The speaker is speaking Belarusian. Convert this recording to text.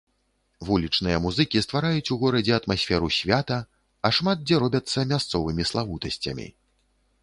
Вулічныя музыкі ствараюць у горадзе атмасферу свята, а шмат дзе робяцца мясцовымі славутасцямі.